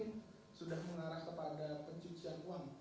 untuk kegiatan bergurau gurau ini